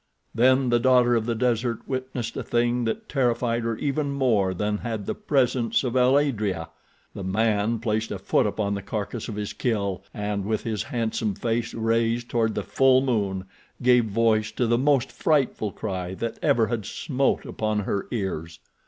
Then the daughter of the desert witnessed a thing that terrified her even more than had the presence of el adrea. The man placed a foot upon the carcass of his kill, and, with his handsome face raised toward the full moon, gave voice to the most frightful cry that ever had smote upon her ears.